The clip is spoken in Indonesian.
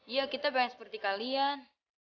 ya kita pengen seperti kalian